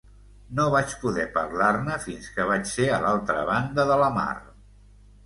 No vaig poder parlar-ne fins que vaig ser a l'altra banda de la mar...